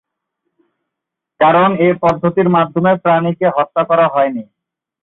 কারণ এ পদ্ধতির মাধ্যমে প্রাণীকে হত্যা করা হয়নি।